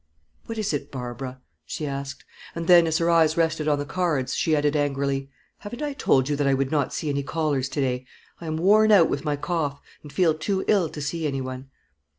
"What is it, Barbara?" she asked; and then, as her eyes rested on the cards, she added, angrily, "Haven't I told you that I would not see any callers to day? I am worn out with my cough, and feel too ill to see any one."